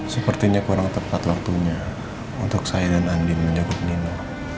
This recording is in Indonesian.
sepertinya kurang tepat waktunya untuk saya dan andin mencakup nina